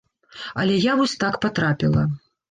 Але я вось так патрапіла.